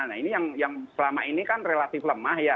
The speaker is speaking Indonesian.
nah ini yang selama ini kan relatif lemah ya